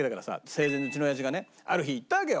生前うちの親父がねある日言ったわけよ。